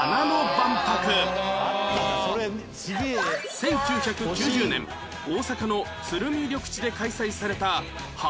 １９９０年大阪の鶴見緑地で開催された花の万博